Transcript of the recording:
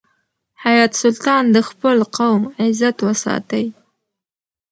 حیات سلطان د خپل قوم عزت وساتی.